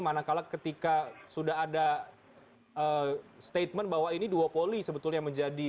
manakala ketika sudah ada statement bahwa ini duopoli sebetulnya menjadi